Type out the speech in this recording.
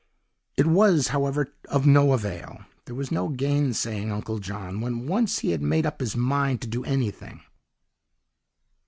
"It was, however, of no avail; there was no gainsaying Uncle John when once he had made up his mind to do anything.